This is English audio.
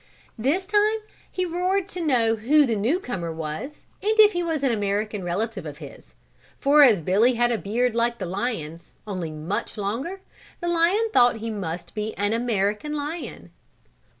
This time he roared to know who the new comer was and if he was an American relative of his, for as Billy had a beard like the lion's, only much longer, the lion thought he must be an American lion.